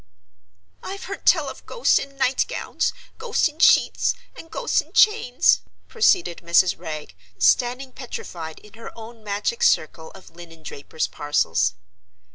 "I've heard tell of ghosts in night gowns, ghosts in sheets, and ghosts in chains," proceeded Mrs. Wragge, standing petrified in her own magic circle of linen drapers' parcels.